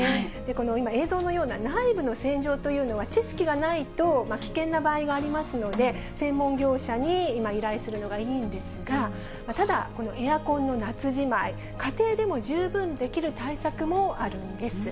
この今、映像のような内部の洗浄というのは、知識がないと危険な場合がありますので、専門業者に今、依頼するのがいいんですが、ただ、このエアコンの夏じまい、家庭でも十分できる対策もあるんです。